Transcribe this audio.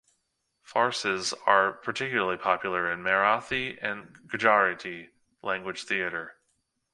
Farces are particularly popular in Marathi and Gujarati language theatre.